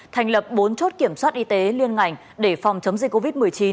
thành lập bốn chốt kiểm soát y tế liên ngành để phòng chống dịch covid một mươi chín